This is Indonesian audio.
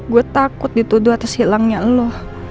gue takut dituduh atas hilangnya lo